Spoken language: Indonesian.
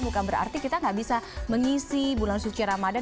bukan berarti kita nggak bisa mengisi bulan suci ramadhan